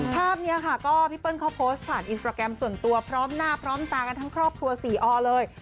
ภาพนี้ค่ะก็พี่เปิ้ลเขาโพสต์ผ่านอินสตราแกรมส่วนตัวพร้อมหน้าพร้อมตากันทั้งครอบครัวสี่อเลย